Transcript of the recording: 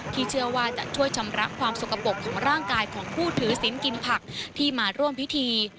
เชื่อว่าจะช่วยชำระความสกปรกของร่างกายของผู้ถือศิลป์กินผักที่มาร่วมพิธี